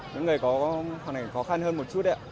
những người có khó khăn hơn một chút